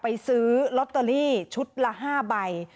ซื้อลอตเตอรี่ชุดละ๕ใบ